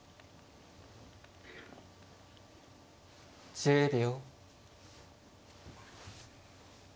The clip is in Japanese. １０秒。